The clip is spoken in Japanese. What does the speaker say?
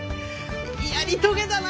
やり遂げたな！